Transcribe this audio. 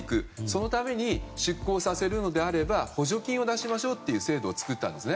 そのために出向させるのであれば補助金を出しましょうという制度を作ったんです。